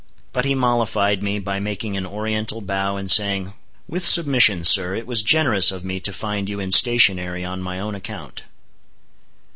But he mollified me by making an oriental bow, and saying—"With submission, sir, it was generous of me to find you in stationery on my own account."